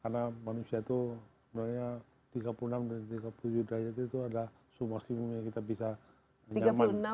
karena manusia itu sebenarnya tiga puluh enam dan tiga puluh tujuh derajat itu ada suhu maksimum yang kita bisa nyaman